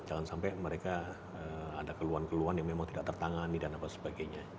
jangan sampai mereka ada keluhan keluhan yang memang tidak tertangani dan apa sebagainya